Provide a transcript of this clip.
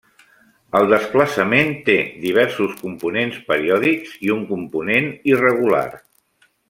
El desplaçament té diversos components periòdics i un component irregular.